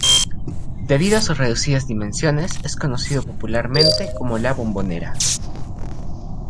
Debido a sus reducidas dimensiones es conocido popularmente como la "bombonera".